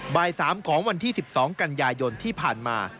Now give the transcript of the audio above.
บ่าย๓ของวันที่๑๒กันยายนที่ผ่านมา